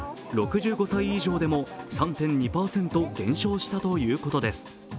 ６５歳以上でも３．２％減少したということです。